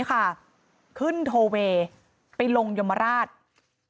ขึ้นโทเวย์ไปลงยมราช